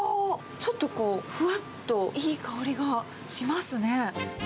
ちょっとこう、ふわっといい香りがしますね。